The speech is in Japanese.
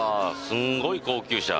すんごい高級車